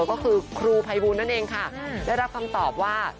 ก็คือครูภัยบูลนั่นเองค่ะได้รับคำตอบว่า